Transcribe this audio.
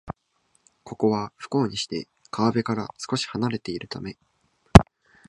ここは、不幸にして川辺から少しはなれているため